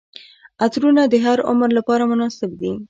عطرونه د هر عمر لپاره مناسب دي.